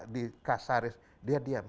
di kasaris dia diam